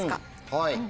はい。